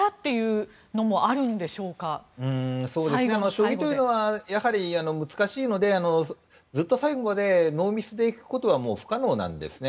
将棋というのはやはり難しいのでずっと最後までノーミスで行くことは不可能なんですね。